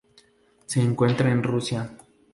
Se encuentra en Rusia.